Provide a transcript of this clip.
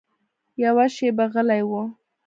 يوه شېبه غلى و.